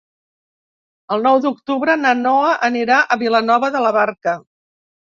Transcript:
El nou d'octubre na Noa anirà a Vilanova de la Barca.